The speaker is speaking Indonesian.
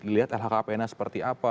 dilihat lhkpn nya seperti apa